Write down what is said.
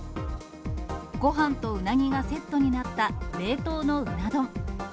ごはんとうなぎがセットになった冷凍のうな丼。